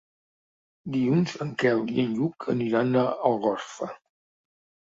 Dilluns en Quel i en Lluc aniran a Algorfa.